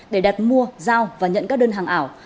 để đặt mua giao và nhận các đơn hàng ảo